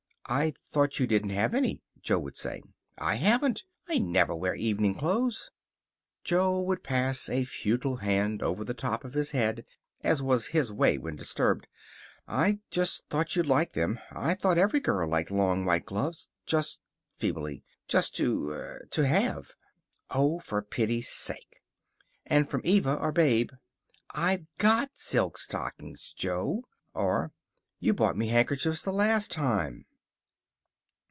"I thought you didn't have any," Jo would say. "I haven't. I never wear evening clothes." Jo would pass a futile hand over the top of his head, as was his way when disturbed. "I just thought you'd like them. I thought every girl liked long white gloves. Just," feebly, "just to to have." "Oh, for pity's sake!" And from Eva or Babe, "I've GOT silk stockings, Jo." Or, "You brought me handkerchiefs the last time."